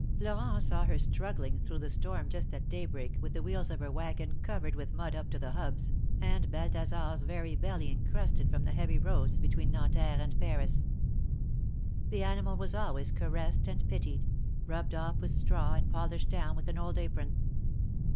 ( Florent saw her struggling through the storm just at daybreak, with the wheels of her wagon covered with mud up to the hubs, and Balthasar's very belly encrusted from the heavy roads between Nanterre and Paris. The animal was always caressed and pitied, rubbed off with straw and polished down with an old apron.